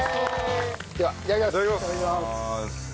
ではいただきます。